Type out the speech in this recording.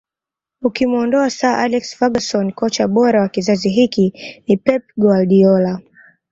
Ukimuondoa Sir Alex Ferguson kocha bora wa kizazi hiki ni Pep Guardiola